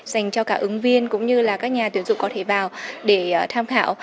dành cho cả ứng viên cũng như là các nhà tuyển dụng có thể vào để tham khảo